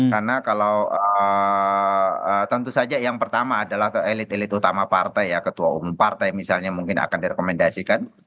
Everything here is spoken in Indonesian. karena kalau tentu saja yang pertama adalah elit elit utama partai ya ketua umum partai misalnya mungkin akan direkomendasikan